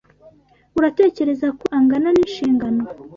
Uratekereza ko angana n'inshingano?